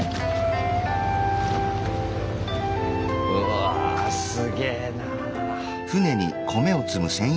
うわぁすげえなあ。